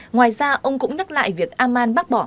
ngoài ra ông cũng nhắc lại việc amman bác bỏ